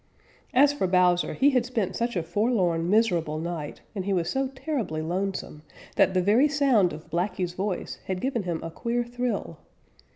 As for Bowser, he had spent such a forlorn, miserable night, and he was so terribly lonesome, that the very sound of Blacky's voice had given him a queer thrill.